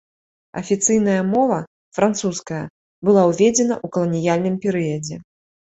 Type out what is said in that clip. Афіцыйная мова, французская, была уведзена ў каланіяльным перыядзе.